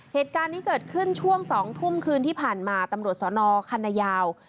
เหตุการณ์นี้เกิดขึ้นช่วง๒ทุ่มคืนที่ผ่านมาตำรวจสนคันนายาว